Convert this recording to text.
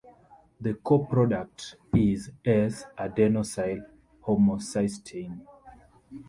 The coproduct is "S"-adenosyl homocysteine.